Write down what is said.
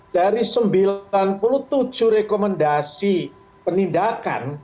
dari sembilan puluh tujuh rekomendasi penindakan